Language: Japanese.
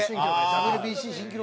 ＷＢＣ新記録。